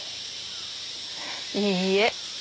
いいえ。